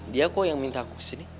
dia kok yang minta aku kesini